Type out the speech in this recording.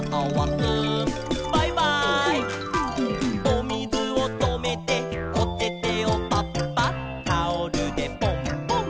「おみずをとめておててをパッパッ」「タオルでポンポン」